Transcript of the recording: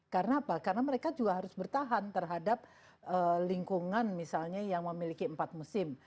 karena apa karena mereka juga harus bertahan terhadap lingkungan misalnya yang memiliki empat musim